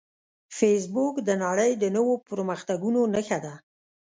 فېسبوک د نړۍ د نوو پرمختګونو نښه ده